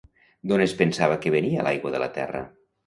D'on es pensava que venia l'aigua de la Terra?